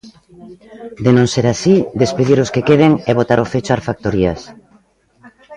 De non ser así, despedir os que queden e botar o fecho ás factorías.